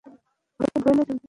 Violet একজন বিস্ময়কর উদ্ভাবক।